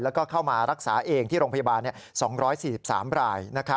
แล้วก็เข้ามารักษาเองที่โรงพยาบาล๒๔๓ราย